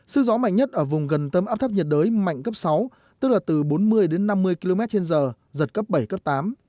sức gió mạnh nhất ở vùng gần tâm áp thấp nhiệt đới mạnh cấp sáu tức là từ bốn mươi đến năm mươi km trên giờ giật cấp bảy cấp tám